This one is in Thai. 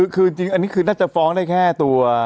คือจริงอันนี้คือน่าจะฟ้องได้แค่ตัว